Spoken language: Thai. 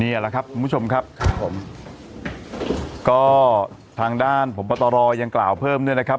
นี่แหละครับคุณผู้ชมครับครับผมก็ทางด้านพบตรยังกล่าวเพิ่มด้วยนะครับ